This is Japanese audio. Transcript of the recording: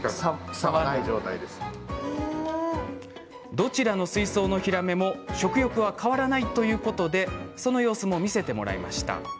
どちらの水槽のヒラメも食欲は変わらないとのことでその様子を見せてもらいました。